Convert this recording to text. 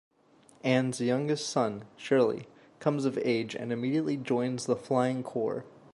Anne's youngest son, Shirley, comes of age and immediately joins the flying corps.